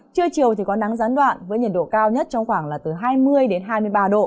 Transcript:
trưa chiều thì có nắng gián đoạn với nhiệt độ cao nhất trong khoảng là từ hai mươi đến hai mươi ba độ